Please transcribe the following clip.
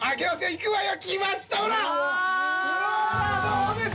いくわよ。